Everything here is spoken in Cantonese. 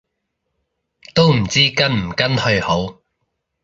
都唔知跟唔跟去好